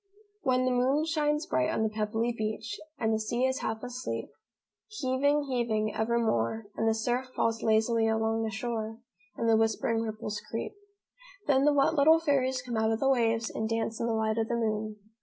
"When the moon shines bright on the pebbly beach And the sea is half asleep; Heaving, heaving, evermore, And the surf falls lazily along the shore, And the whispering ripples creep. Then the wet little fairies come out of the waves And dance in the light of the moon.